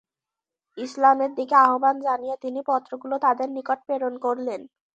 ইসলামের দিকে আহবান জানিয়ে তিনি পত্রগুলো তাদের নিকট প্রেরণ করলেন।